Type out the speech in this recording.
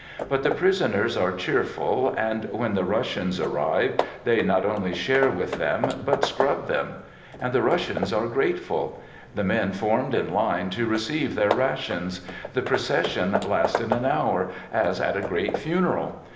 But the prisoners are cheerful, and when the Russians arrive, they not only share with them, but scrub them ! And the Russians are grate ful. The men formed in line to receive their ra tions. The procession lasted an hour, " as at a great funeral."